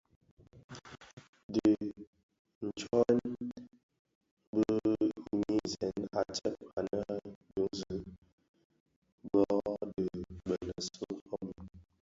Di tsyoghèn bi nynzèn a tsèb anë a binzi bo dhi binèsun fomin.